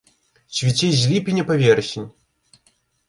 Цвіце з ліпеня па верасень.